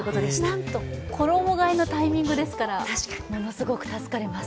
なんと、衣がえのタイミングですからものすごく助かります。